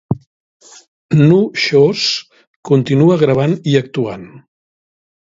Nu Shooz continua gravant i actuant.